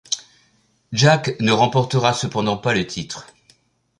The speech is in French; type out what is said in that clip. Jack ne remportera cependant pas le titre.